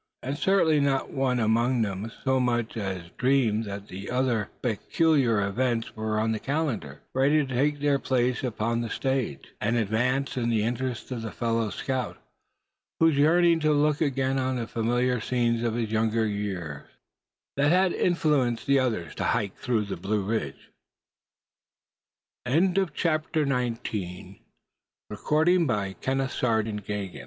And certainly not one among them so much as dreamed that other peculiar events were on the calendar; ready to take their places upon the stage; and advance the interests of the fellow scout, whose yearning to look again on the familiar scenes of his younger years had influenced the others to hike through the Blue Ridge Range. CHAPTER XX. THE AWAKENING OF STEP HEN. "Say fellers, did an